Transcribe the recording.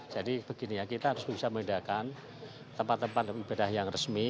jadi begini ya kita harus bisa meledakan tempat tempat ibadah yang resmi